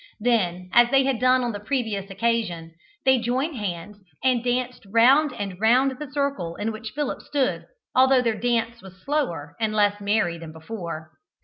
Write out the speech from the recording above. Then, as they had done on the previous occasion, they joined hands and danced round and round the circle in which Philip stood, although their dance was slower and less merry than before.